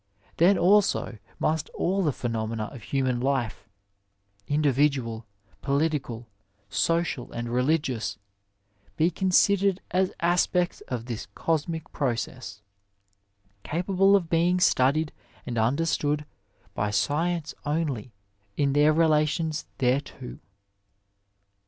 Then also must all the phenomena of human life^ individual, 96 Digitized by Google THE LEAVEN OP SCIENCE political, social, and religious, be considered as aspeats of this cofimic process, capable of being studied and under stood by science only in their relations thereto."